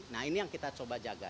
nah ini yang kita coba jaga